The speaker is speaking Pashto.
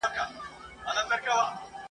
هفتې وورسته خپل نصیب ته ورتسلیم سو ..